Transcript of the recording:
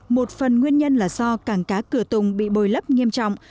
một phần nguyên nhân là do cảng cá cửa tùng bị bồi lấp nghiêm trọng